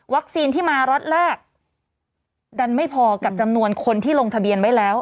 ที่มาล็อตแรกดันไม่พอกับจำนวนคนที่ลงทะเบียนไว้แล้ว